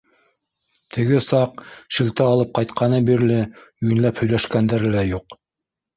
Теге саҡ шелтә алып ҡайтҡаны бирле йүнләп һөйләшкәндәре лә юҡ.